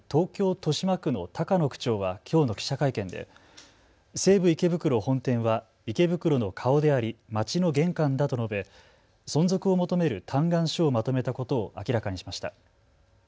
豊島区の高野区長はきょうの記者会見で西武池袋本店は池袋の顔でありまちの玄関だと述べ存続を求める嘆願書をまとめたことを明らかにしました。